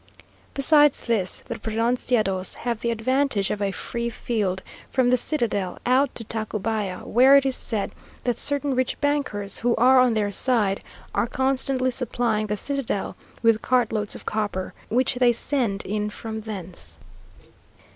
Besides this, the pronunciados have the advantage of a free field from the citadel out to Tacubaya, where it is said that certain rich bankers, who are on their side, are constantly supplying the citadel with cartloads of copper, which they send in from thence....